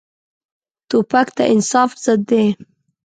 توپک د انصاف ضد دی.